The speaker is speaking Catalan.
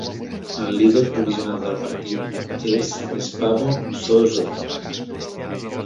El líder provisional del partit és Espavo Sozo.